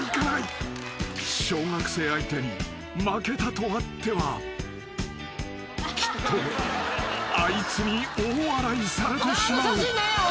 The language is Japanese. ［小学生相手に負けたとあってはきっとあいつに大笑いされてしまう］